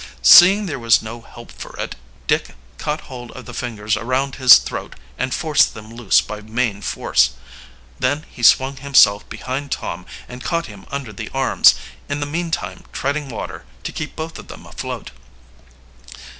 Seeing there was no help for it, Dick caught hold of the fingers around his throat and forced them loose by main force. Then he swung himself behind Tom and caught him under the arms, in the meantime treading water to keep both of them afloat.